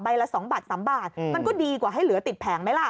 ละ๒บาท๓บาทมันก็ดีกว่าให้เหลือติดแผงไหมล่ะ